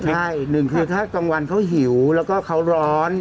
ใช่หนึ่งคือถ้ากลางวันเขาหิวแล้วก็เขาร้อน